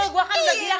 gue kan udah bilang